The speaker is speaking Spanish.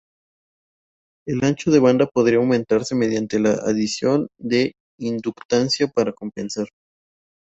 El ancho de banda podría aumentarse mediante la adición de inductancia para compensar.